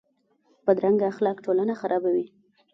بدرنګه اخلاق ټولنه خرابوي